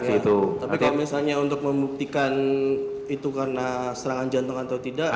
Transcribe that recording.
tapi kalau misalnya untuk membuktikan itu karena serangan jantung atau tidak